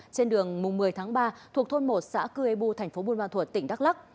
trên đường một mươi tháng ba thuộc thôn một xã cư ê bu tp buôn ma thuật tỉnh đắk lắc